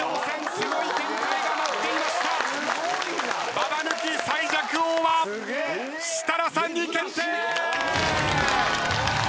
ババ抜き最弱王は設楽さんに決定！